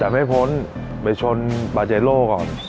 แต่ไม่พ้นไปชนอัพทียัลสุดด้าลว่าก่อน